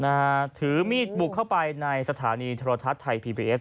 นะฮะถือมีดบุกเข้าไปในสถานีโทรทัศน์ไทยพีพีเอส